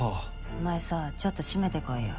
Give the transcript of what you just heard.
お前さちょっとシメてこいよ。